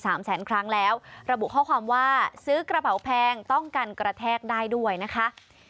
สามแสนครั้งแล้วระบุข้อความว่าซื้อกระเป๋าแพงต้องกันกระแทกได้ด้วยนะคะ